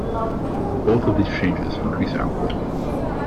Both of these changes increase output.